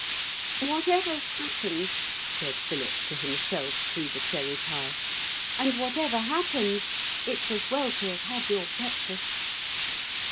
'Whatever's happened,' said Philip to himself, through the cherry pie, 'and whatever happens it's as well to have had your breakfast.'